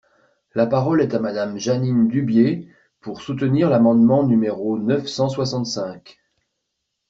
La parole est à Madame Jeanine Dubié, pour soutenir l’amendement numéro neuf cent soixante-cinq.